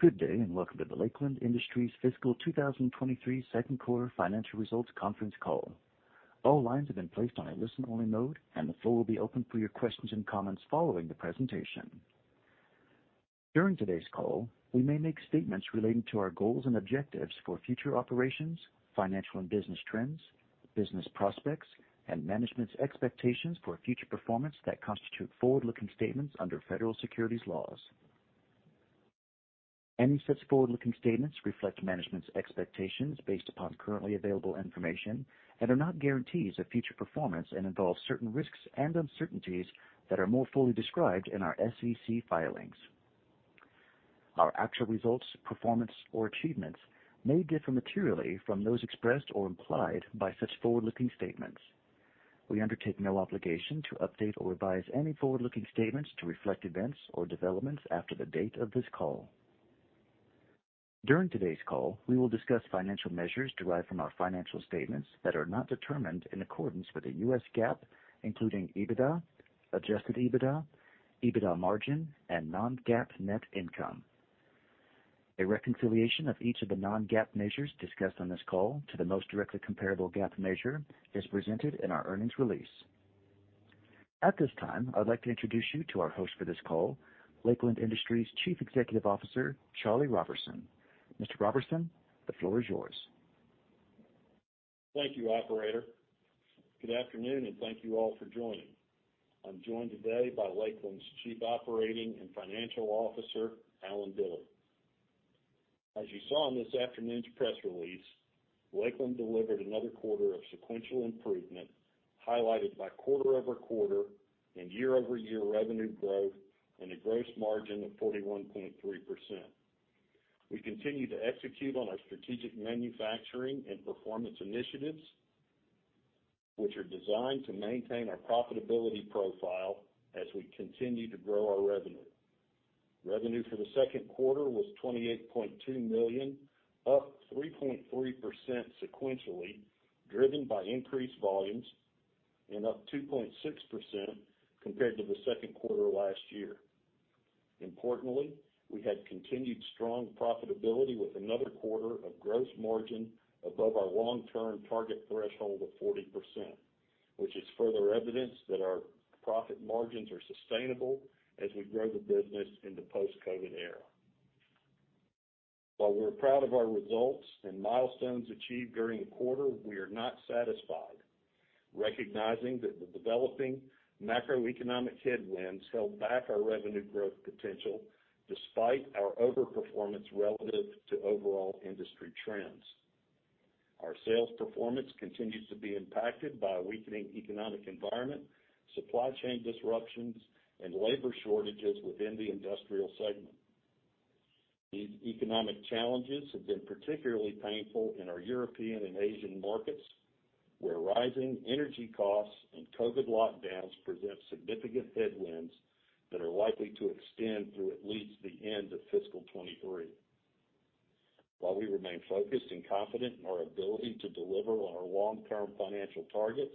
Good day, and welcome to the Lakeland Industries Fiscal 2023 Second Quarter Financial Results Conference Call. All lines have been placed on a listen-only mode, and the floor will be open for your questions and comments following the presentation. During today's call, we may make statements relating to our goals and objectives for future operations, financial and business trends, business prospects, and management's expectations for future performance that constitute forward-looking statements under federal securities laws. Any such forward-looking statements reflect management's expectations based upon currently available information and are not guarantees of future performance and involve certain risks and uncertainties that are more fully described in our SEC filings. Our actual results, performance, or achievements may differ materially from those expressed or implied by such forward-looking statements. We undertake no obligation to update or revise any forward-looking statements to reflect events or developments after the date of this call. During today's call, we will discuss financial measures derived from our financial statements that are not determined in accordance with U.S. GAAP, including EBITDA, adjusted EBITDA margin, and non-GAAP net income. A reconciliation of each of the non-GAAP measures discussed on this call to the most directly comparable GAAP measure is presented in our earnings release. At this time, I'd like to introduce you to our host for this call, Lakeland Industries Chief Executive Officer, Charlie Roberson. Mr. Roberson, the floor is yours. Thank you, operator. Good afternoon, and thank you all for joining. I'm joined today by Lakeland's Chief Operating and Financial Officer, Allen Dillard. As you saw in this afternoon's press release, Lakeland delivered another quarter of sequential improvement, highlighted by quarter-over-quarter and year-over-year revenue growth and a gross margin of 41.3%. We continue to execute on our strategic manufacturing and performance initiatives, which are designed to maintain our profitability profile as we continue to grow our revenue. Revenue for the second quarter was $28.2 million, up 3.3% sequentially, driven by increased volumes, and up 2.6% compared to the second quarter last year. Importantly, we had continued strong profitability with another quarter of gross margin above our long-term target threshold of 40%, which is further evidence that our profit margins are sustainable as we grow the business in the post-COVID era. While we're proud of our results and milestones achieved during the quarter, we are not satisfied. Recognizing that the developing macroeconomic headwinds held back our revenue growth potential despite our overperformance relative to overall industry trends. Our sales performance continues to be impacted by a weakening economic environment, supply chain disruptions, and labor shortages within the industrial segment. These economic challenges have been particularly painful in our European and Asian markets, where rising energy costs and COVID lockdowns present significant headwinds that are likely to extend through at least the end of fiscal 2023. While we remain focused and confident in our ability to deliver on our long-term financial targets,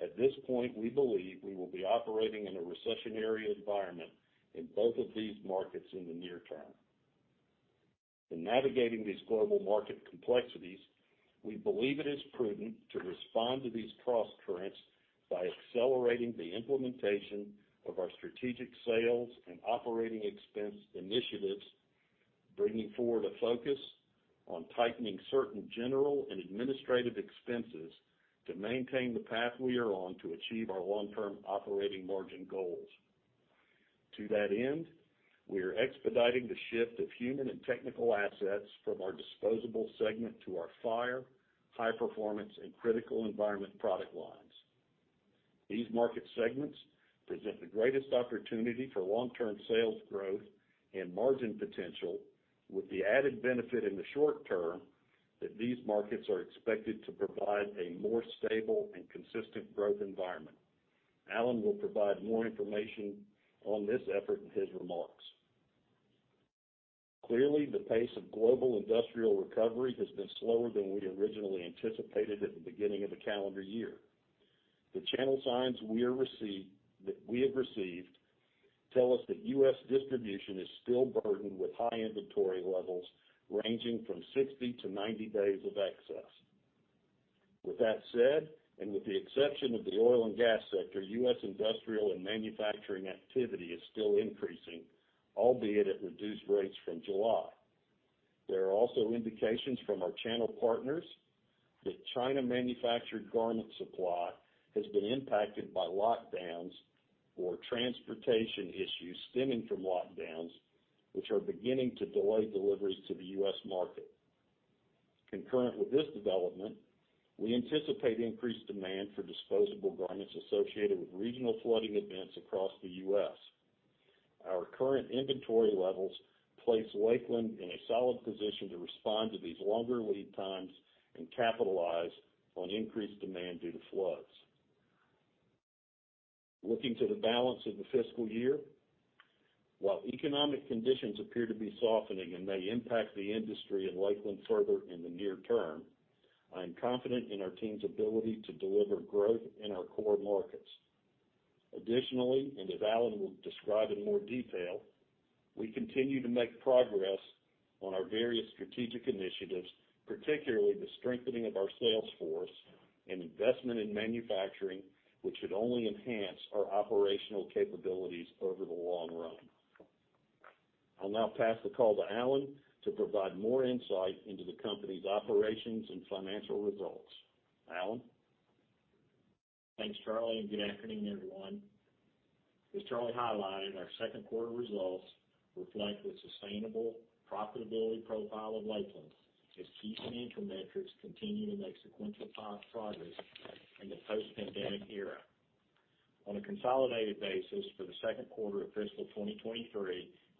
at this point, we believe we will be operating in a recessionary environment in both of these markets in the near term. In navigating these global market complexities, we believe it is prudent to respond to these crosscurrents by accelerating the implementation of our strategic sales and operating expense initiatives, bringing forward a focus on tightening certain general and administrative expenses to maintain the path we are on to achieve our long-term operating margin goals. To that end, we are expediting the shift of human and technical assets from our disposable segment to our fire, high-performance, and critical environment product lines. These market segments present the greatest opportunity for long-term sales growth and margin potential, with the added benefit in the short term that these markets are expected to provide a more stable and consistent growth environment. Allen will provide more information on this effort in his remarks. Clearly, the pace of global industrial recovery has been slower than we originally anticipated at the beginning of the calendar year. The channel signs that we have received tell us that U.S. distribution is still burdened with high inventory levels ranging from 60-90 days of excess. With that said, and with the exception of the oil and gas sector, U.S. industrial and manufacturing activity is still increasing, albeit at reduced rates from July. There are also indications from our channel partners that China-manufactured garment supply has been impacted by lockdowns or transportation issues stemming from lockdowns, which are beginning to delay deliveries to the U.S. market. Concurrent with this development, we anticipate increased demand for disposable garments associated with regional flooding events across the U.S. Our current inventory levels place Lakeland in a solid position to respond to these longer lead times and capitalize on increased demand due to floods. Looking to the balance of the fiscal year, while economic conditions appear to be softening and may impact the industry and Lakeland further in the near term, I am confident in our team's ability to deliver growth in our core markets. Additionally, and as Allen will describe in more detail, we continue to make progress on our various strategic initiatives, particularly the strengthening of our sales force and investment in manufacturing, which should only enhance our operational capabilities over the long run. I'll now pass the call to Allen to provide more insight into the company's operations and financial results. Allen? Thanks, Charlie, and good afternoon, everyone. As Charlie highlighted, our second quarter results reflect the sustainable profitability profile of Lakeland as key financial metrics continue to make sequential progress in the post-pandemic era. On a consolidated basis for the second quarter of fiscal 2023,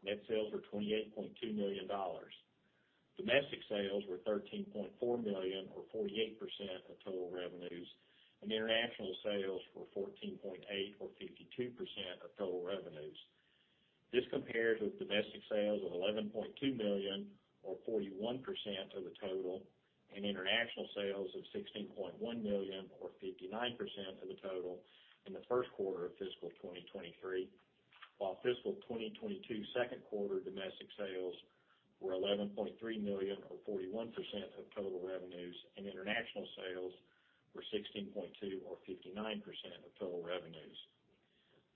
net sales were $28.2 million. Domestic sales were $13.4 million or 48% of total revenues, and international sales were $14.8 million or 52% of total revenues. This compares with domestic sales of $11.2 million or 41% of the total, and international sales of $16.1 million or 59% of the total in the first quarter of fiscal 2023, while fiscal 2022 second quarter domestic sales were $11.3 million or 41% of total revenues, and international sales were $16.2 million or 59% of total revenues.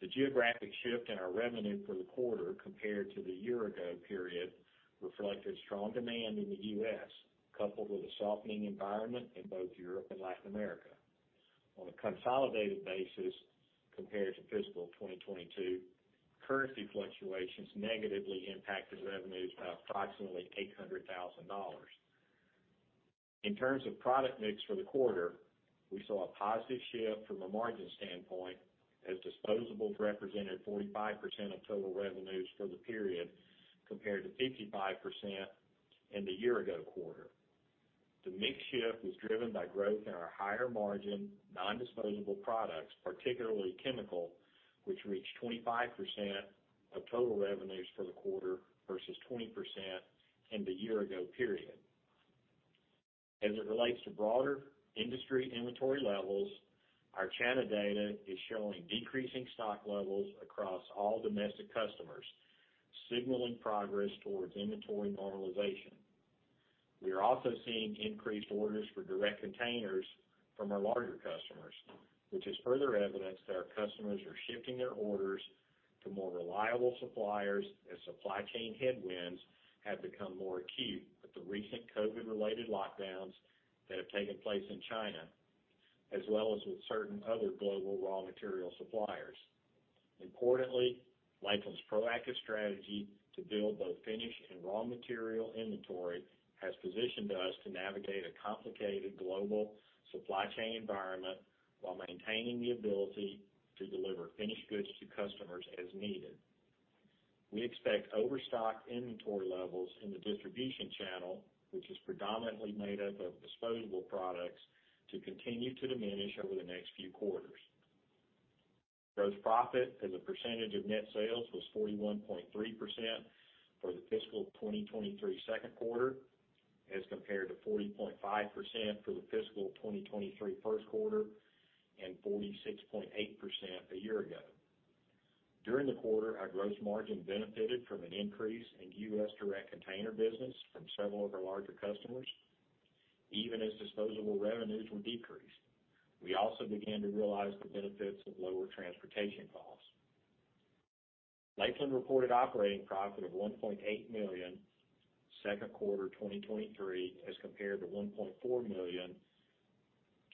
The geographic shift in our revenue for the quarter compared to the year ago period reflected strong demand in the U.S., coupled with a softening environment in both Europe and Latin America. On a consolidated basis compared to fiscal 2022, currency fluctuations negatively impacted revenues by approximately $800,000. In terms of product mix for the quarter, we saw a positive shift from a margin standpoint as disposables represented 45% of total revenues for the period, compared to 55% in the year ago quarter. The mix shift was driven by growth in our higher margin, nondisposable products, particularly chemical, which reached 25% of total revenues for the quarter versus 20% in the year ago period. As it relates to broader industry inventory levels, our channel data is showing decreasing stock levels across all domestic customers, signaling progress towards inventory normalization. We are also seeing increased orders for direct containers from our larger customers, which is further evidence that our customers are shifting their orders to more reliable suppliers as supply chain headwinds have become more acute with the recent COVID-related lockdowns that have taken place in China, as well as with certain other global raw material suppliers. Importantly, Lakeland's proactive strategy to build both finished and raw material inventory has positioned us to navigate a complicated global supply chain environment while maintaining the ability to deliver finished goods to customers as needed. We expect overstocked inventory levels in the distribution channel, which is predominantly made up of disposable products, to continue to diminish over the next few quarters. Gross profit as a percentage of net sales was 41.3% for the fiscal 2023 second quarter as compared to 40.5% for the fiscal 2023 first quarter and 46.8% a year ago. During the quarter, our gross margin benefited from an increase in U.S. direct container business from several of our larger customers, even as disposable revenues were decreased. We also began to realize the benefits of lower transportation costs. Lakeland reported operating profit of $1.8 million second quarter 2023, as compared to $1.4 million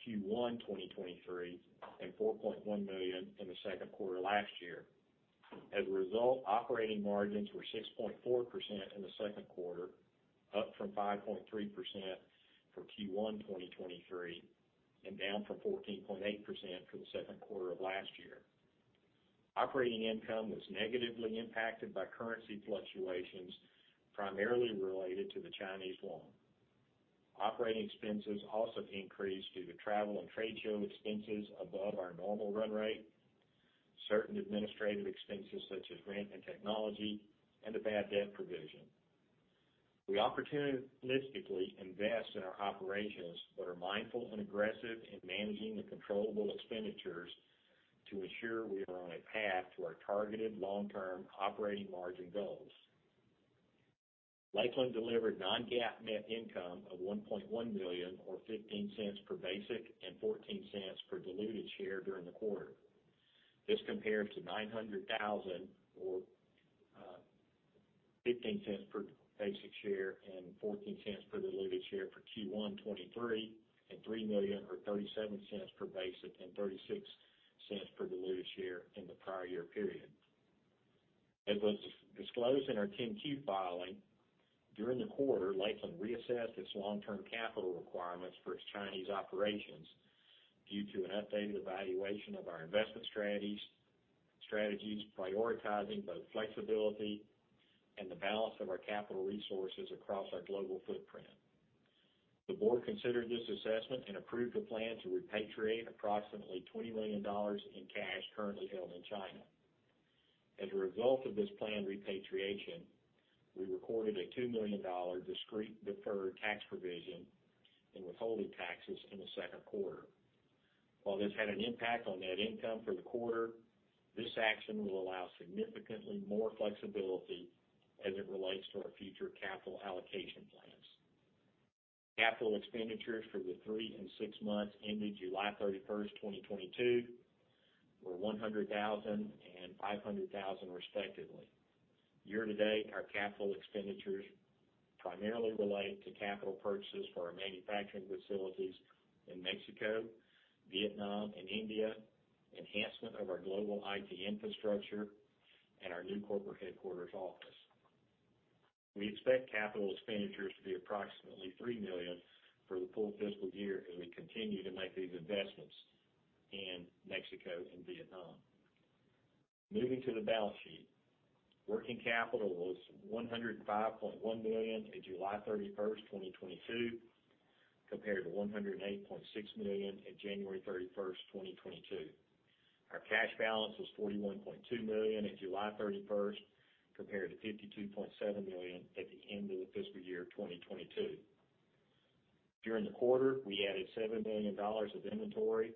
Q1 2023, and $4.1 million in the second quarter last year. As a result, operating margins were 6.4% in the second quarter, up from 5.3% for Q1 2023, and down from 14.8% for the second quarter of last year. Operating income was negatively impacted by currency fluctuations, primarily related to the Chinese loan. Operating expenses also increased due to travel and trade show expenses above our normal run rate, certain administrative expenses such as rent and technology, and a bad debt provision. We opportunistically invest in our operations but are mindful and aggressive in managing the controllable expenditures to ensure we are on a path to our targeted long-term operating margin goals. Lakeland delivered non-GAAP net income of $1.1 million, or $0.15 per basic and $0.14 per diluted share during the quarter. This compares to $900,000 or 15 cents per basic share and 14 cents per diluted share for Q1 2023, and $3 million or 37 cents per basic and 36 cents per diluted share in the prior year period. As was disclosed in our 10-Q filing, during the quarter, Lakeland reassessed its long-term capital requirements for its Chinese operations due to an updated evaluation of our investment strategies prioritizing both flexibility and the balance of our capital resources across our global footprint. The board considered this assessment and approved the plan to repatriate approximately $20 million in cash currently held in China. As a result of this planned repatriation, we recorded a $2 million discrete deferred tax provision in withholding taxes in the second quarter. While this had an impact on net income for the quarter, this action will allow significantly more flexibility as it relates to our future capital allocation plans. Capital expenditures for the three and six months ended July 31st, 2022 were $100,000 and $500,000 respectively. Year-to-date, our capital expenditures primarily relate to capital purchases for our manufacturing facilities in Mexico, Vietnam, and India, enhancement of our global IT infrastructure, and our new corporate headquarters office. We expect capital expenditures to be approximately $3 million for the full fiscal year as we continue to make these investments in Mexico and Vietnam. Moving to the balance sheet. Working capital was $105.1 million at July 31st, 2022, compared to $108.6 million at January 31st, 2022. Our cash balance was $41.2 million at July 31st, compared to $52.7 million at the end of the fiscal year 2022. During the quarter, we added $7 million of inventory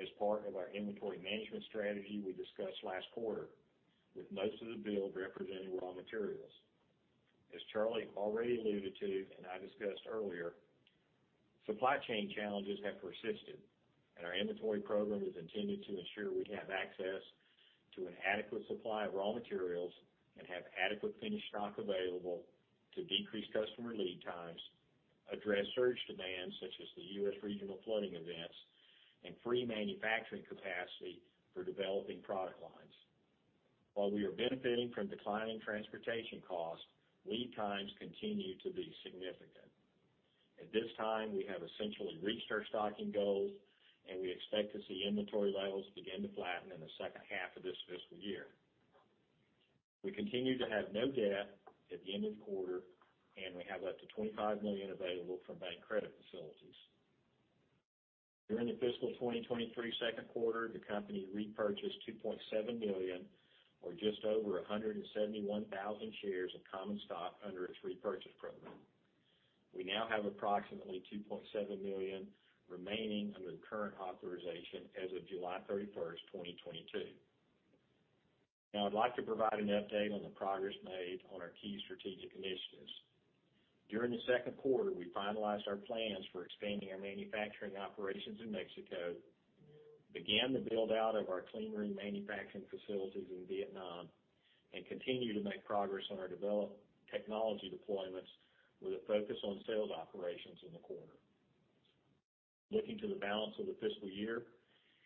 as part of our inventory management strategy we discussed last quarter, with most of the build representing raw materials. As Charlie already alluded to and I discussed earlier, supply chain challenges have persisted, and our inventory program is intended to ensure we have access to an adequate supply of raw materials and have adequate finished stock available to decrease customer lead times, address surge demands such as the U.S. regional flooding events, and free manufacturing capacity for developing product lines. While we are benefiting from declining transportation costs, lead times continue to be significant. At this time, we have essentially reached our stocking goals, and we expect to see inventory levels begin to flatten in the second half of this fiscal year. We continue to have no debt at the end of the quarter, and we have up to $25 million available from bank credit facilities. During the fiscal 2023 second quarter, the company repurchased 2.7 million or just over 171,000 shares of common stock under its repurchase program. We now have approximately 2.7 million remaining under the current authorization as of July 31st, 2022. Now I'd like to provide an update on the progress made on our key strategic initiatives. During the second quarter, we finalized our plans for expanding our manufacturing operations in Mexico, began the build-out of our cleanroom manufacturing facilities in Vietnam, and continue to make progress on our development technology deployments with a focus on sales operations in the quarter. Looking to the balance of the fiscal year,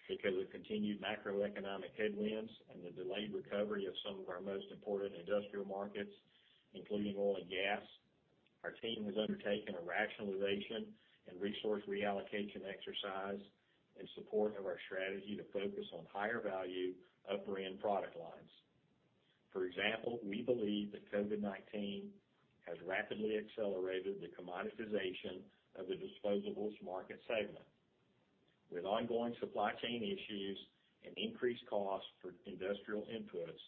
because of continued macroeconomic headwinds and the delayed recovery of some of our most important industrial markets, including oil and gas, our team has undertaken a rationalization and resource reallocation exercise in support of our strategy to focus on higher value upper end product lines. For example, we believe that COVID-19 has rapidly accelerated the commoditization of the disposables market segment. With ongoing supply chain issues and increased costs for industrial inputs,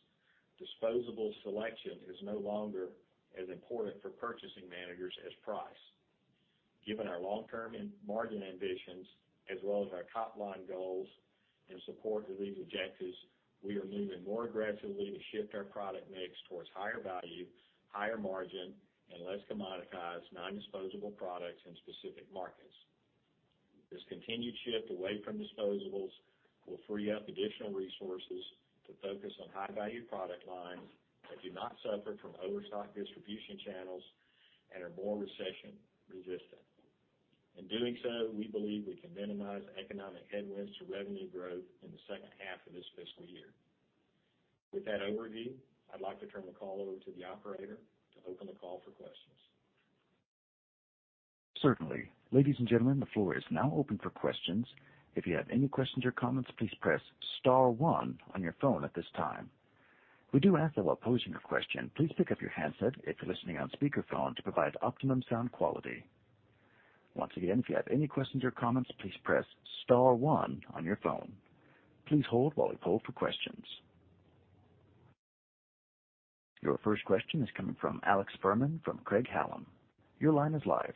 disposable selection is no longer as important for purchasing managers as price. Given our long-term margin ambitions as well as our top-line goals in support of these objectives, we are moving more aggressively to shift our product mix towards higher value, higher margin, and less commoditized non-disposable products in specific markets. This continued shift away from disposables will free up additional resources to focus on high value product lines that do not suffer from overstock distribution channels and are more recession resistant. In doing so, we believe we can minimize economic headwinds to revenue growth in the second half of this fiscal year. With that overview, I'd like to turn the call over to the operator to open the call for questions. Certainly. Ladies and gentlemen, the floor is now open for questions. If you have any questions or comments, please press star one on your phone at this time. We do ask that while posing your question, please pick up your handset if you're listening on speakerphone to provide optimum sound quality. Once again, if you have any questions or comments, please press star one on your phone. Please hold while we poll for questions. Your first question is coming from Alex Fuhrman from Craig-Hallum. Your line is live.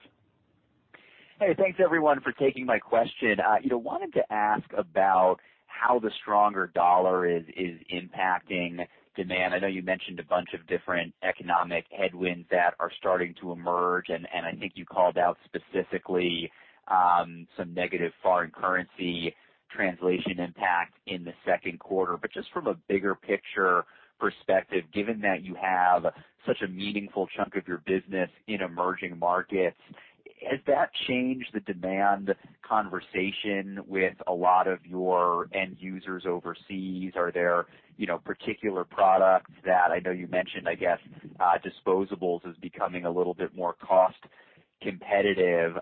Hey, thanks everyone for taking my question. You know, wanted to ask about how the stronger dollar is impacting demand. I know you mentioned a bunch of different economic headwinds that are starting to emerge, and I think you called out specifically some negative foreign currency translation impact in the second quarter. Just from a bigger picture perspective, given that you have such a meaningful chunk of your business in emerging markets, has that changed the demand conversation with a lot of your end users overseas? Are there, you know, particular products that I know you mentioned, I guess, disposables is becoming a little bit more cost competitive.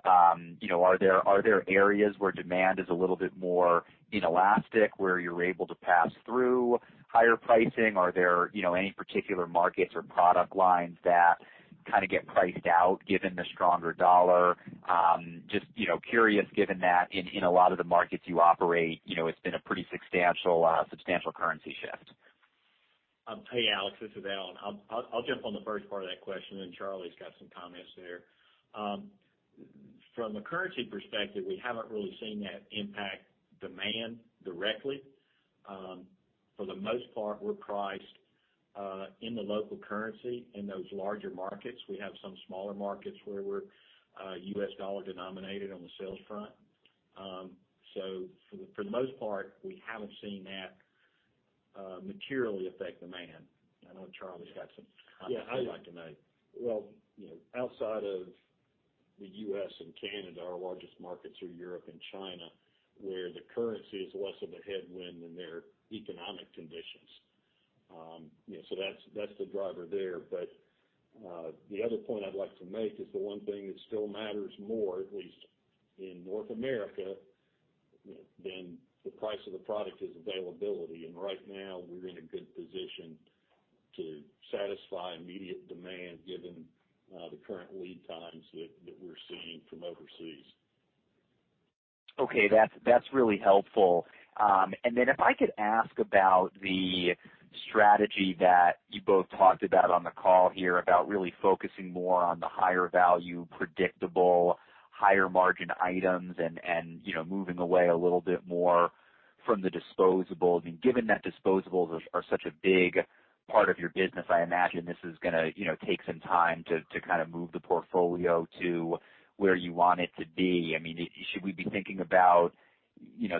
You know, are there areas where demand is a little bit more inelastic, where you're able to pass through higher pricing? Are there, you know, any particular markets or product lines that kind of get priced out given the stronger US dollar? Just, you know, curious given that in a lot of the markets you operate, you know, it's been a pretty substantial currency shift. Hey, Alex, this is Alan. I'll jump on the first part of that question, and then Charlie's got some comments there. From a currency perspective, we haven't really seen that impact demand directly. For the most part, we're priced in the local currency in those larger markets. We have some smaller markets where we're U.S. dollar denominated on the sales front. For the most part, we haven't seen that materially affect demand. I know Charlie's got some comments he'd like to make. Yeah. Well, you know, outside of the U.S. and Canada, our largest markets are Europe and China, where the currency is less of a headwind than their economic conditions. You know, so that's the driver there. The other point I'd like to make is the one thing that still matters more, at least in North America, you know, than the price of the product is availability. Right now, we're in a good position to satisfy immediate demand given the current lead times that we're seeing from overseas. Okay. That's really helpful. And then if I could ask about the strategy that you both talked about on the call here, about really focusing more on the higher value, predictable, higher margin items and, you know, moving away a little bit more from the disposables. Given that disposables are such a big part of your business, I imagine this is gonna, you know, take some time to kind of move the portfolio to where you want it to be. I mean, should we be thinking about, you know,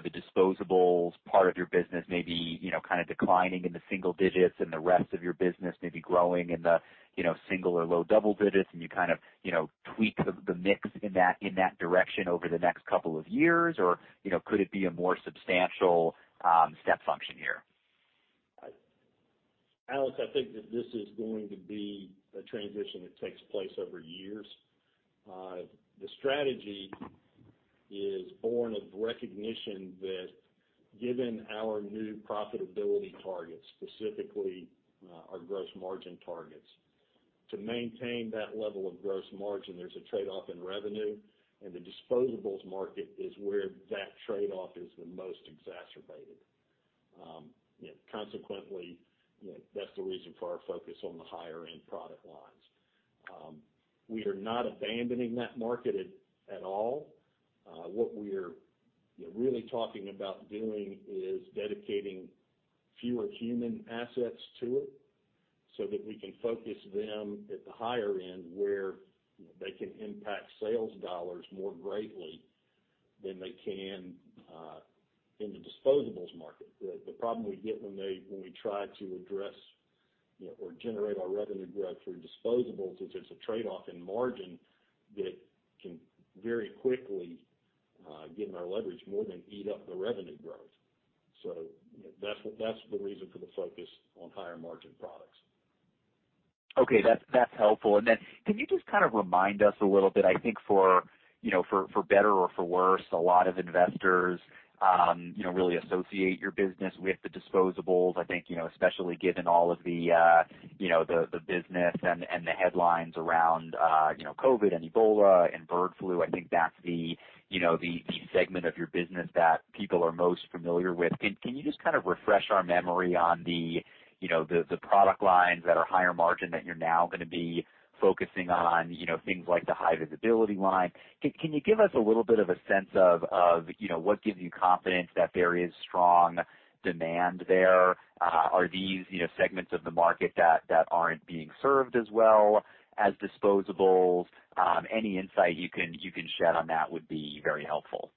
the disposables part of your business maybe, you know, kind of declining in the single-digits and the rest of your business maybe growing in the, you know, single or low-double-digits, and you kind of, you know, tweak the mix in that direction over the next couple of years? You know, could it be a more substantial step function here? Alex, I think that this is going to be a transition that takes place over years. The strategy is born of recognition that given our new profitability targets, specifically, our gross margin targets, to maintain that level of gross margin, there's a trade-off in revenue, and the disposables market is where that trade-off is the most exacerbated. You know, consequently, you know, that's the reason for our focus on the higher end product lines. We are not abandoning that market at all. What we're, you know, really talking about doing is dedicating fewer human assets to it so that we can focus them at the higher end, where they can impact sales dollars more greatly than they can in the disposables market. The problem we get when we try to address, you know, or generate our revenue growth through disposables is there's a trade-off in margin that can very quickly, given our leverage, more than eat up the revenue growth. That's the reason for the focus on higher margin products. Okay. That's helpful. Can you just kind of remind us a little bit? I think for, you know, for better or for worse, a lot of investors, you know, really associate your business with the disposables. I think, you know, especially given all of the, you know, the business and the headlines around, you know, COVID and Ebola and bird flu, I think that's the, you know, the segment of your business that people are most familiar with. Can you just kind of refresh our memory on the, you know, the product lines that are higher margin that you're now gonna be focusing on, you know, things like the high visibility line. Can you just give us a little bit of a sense of, you know, what gives you confidence that there is strong demand there? Are these, you know, segments of the market that aren't being served as well as disposables? Any insight you can shed on that would be very helpful.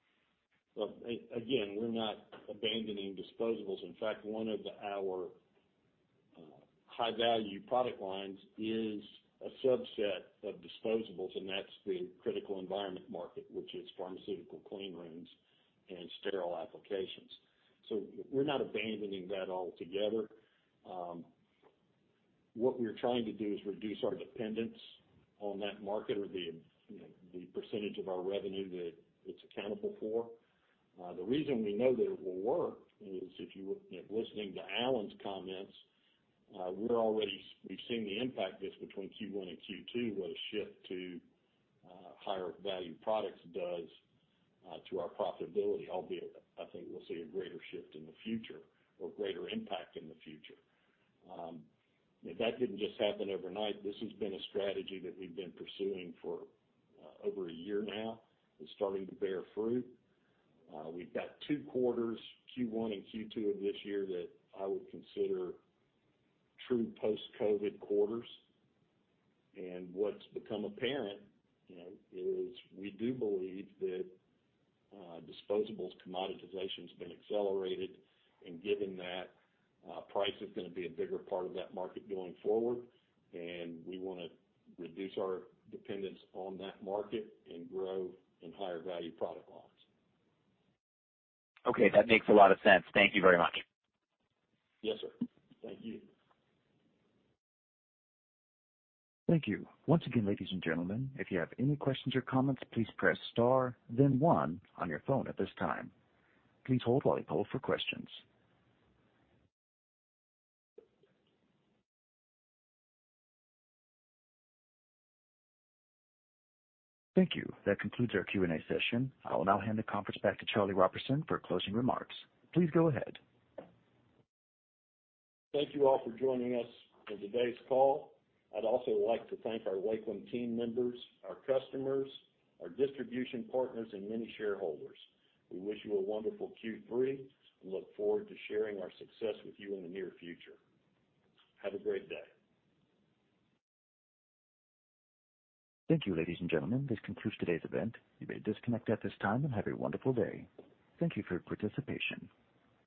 Well, again, we're not abandoning disposables. In fact, one of our high-value product lines is a subset of disposables, and that's the critical environment market, which is pharmaceutical cleanrooms and sterile applications. We're not abandoning that altogether. What we're trying to do is reduce our dependence on that market or the, you know, the percentage of our revenue that it's accountable for. The reason we know that it will work is if you were, you know, listening to Alan's comments. We've seen the impact just between Q1 and Q2, what a shift to higher-value products does to our profitability, albeit I think we'll see a greater shift in the future or greater impact in the future. That didn't just happen overnight. This has been a strategy that we've been pursuing for over a year now. It's starting to bear fruit. We've got two quarters, Q1 and Q2 of this year that I would consider true post-COVID quarters. What's become apparent, you know, is we do believe that, disposables commoditization has been accelerated, and given that, price is gonna be a bigger part of that market going forward, and we wanna reduce our dependence on that market and grow in higher value product lines. Okay. That makes a lot of sense. Thank you very much. Yes, sir. Thank you. Thank you. Once again, ladies and gentlemen, if you have any questions or comments, please press star then one on your phone at this time. Please hold while we poll for questions. Thank you. That concludes our Q&A session. I will now hand the conference back to Charlie Roberson for closing remarks. Please go ahead. Thank you all for joining us on today's call. I'd also like to thank our Lakeland team members, our customers, our distribution partners, and many shareholders. We wish you a wonderful Q3 and look forward to sharing our success with you in the near future. Have a great day. Thank you, ladies and gentlemen. This concludes today's event. You may disconnect at this time, and have a wonderful day. Thank you for your participation.